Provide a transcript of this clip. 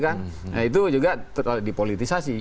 nah itu juga dipolitisasi